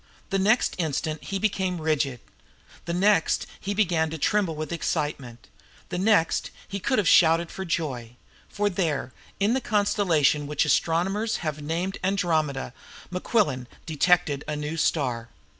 The next instant he became rigid; the next he began to tremble with excitement; the next he could have shouted for joy. For there, in the constellation which astronomers have named Andromeda, Mequillen detected a new star!